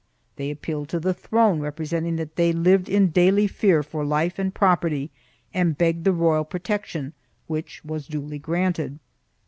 They appealed to the throne, representing that they lived in daily fear for life and property and begged the royal protection, which was duly granted.